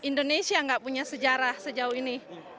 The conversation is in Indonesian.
indonesia nggak punya sejarah sejauh ini